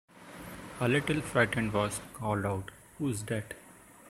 A little frightened voice called out "Who's that?"